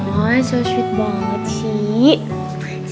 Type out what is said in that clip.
aw sangat cantik banget sih